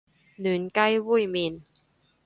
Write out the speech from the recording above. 嫩雞煨麵